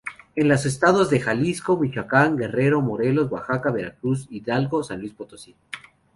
En los estados de Jalisco, Michoacán, Guerrero, Morelos, Oaxaca, Veracruz, Hidalgo, San Luis Potosí.